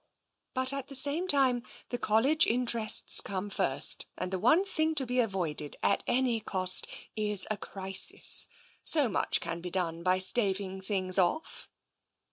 But at the same time, the Col lege interests come first, and the one thing to be avoided, at any cost, is a crisis. So much can be done by staving things off."